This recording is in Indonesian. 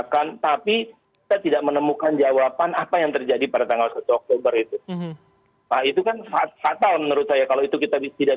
kemudian menurut saya saya juga menurut saya am lijik